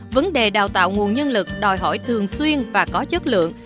vấn đề đào tạo nguồn nhân lực đòi hỏi thường xuyên và có chất lượng